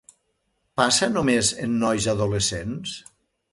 Passa només en nois adolescents?